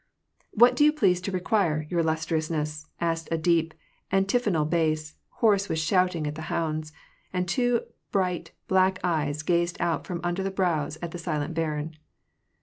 " What do you please to require, your illustriousness? " asked a deep, antiphonal bass, hoarse with shouting at the hounds ; and two bright black eyes gazed out from under the brows at the silent barin.